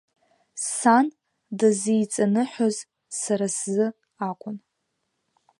Сан дызиҵаныҳәоз сара сзы акәын.